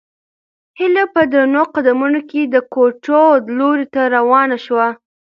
هیله په درنو قدمونو د کوټې لوري ته روانه شوه.